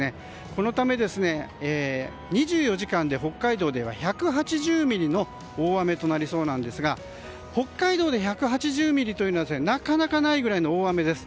このため、北海道では２４時間で１８０ミリの大雨となりそうですが北海道で１８０ミリというのはなかなかないぐらいの大雨です。